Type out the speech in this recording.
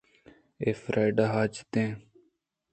اے فریڈا ءِحاجت اِنت